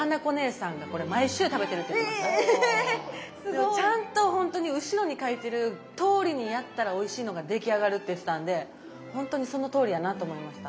でもちゃんとほんとに後ろに書いてるとおりにやったらおいしいのが出来上がるって言ってたんでほんとにそのとおりやなと思いました。